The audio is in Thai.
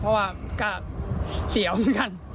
เพราะว่าก็เสียวเหมือนกัน